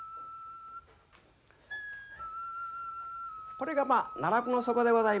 これが奈落の底でございます。